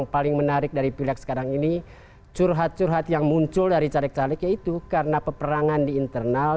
yang paling menarik dari pileg sekarang ini curhat curhat yang muncul dari caleg caleg yaitu karena peperangan di internal